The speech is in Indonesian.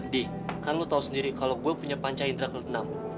di kan lo tahu sendiri kalau gue punya panca indera ke enam